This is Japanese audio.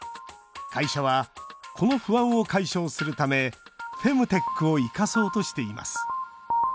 会社はこの不安を解消するためフェムテックを生かそうとしています